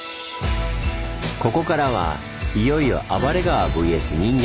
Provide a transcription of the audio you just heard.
ここからはいよいよ「暴れ川ｖｓ．人間」